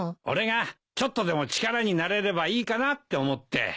俺がちょっとでも力になれればいいかなって思って。